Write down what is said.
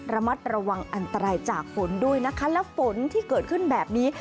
ระมัดระวังอันตรายจากฝนด้วยนะคะและฝนที่เกิดขึ้นแบบนี้